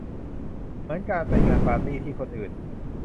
เหมือนการไปงานปาร์ตี้ที่คนอื่น